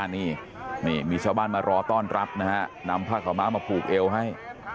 นี่มีชาวบ้านมารอต้อนรับนะฮะนำผ้าขาวม้ามาผูกเอวให้